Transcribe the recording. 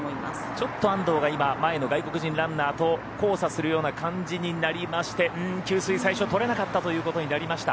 ちょっと安藤が今、前の外国人ランナーと交差するような感じになりまして給水、最初取れなかったということになりました。